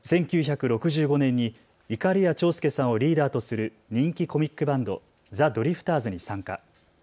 １９６５年にいかりや長介さんをリーダーとする人気コミックバンド、ザ・ドリフターズに参加。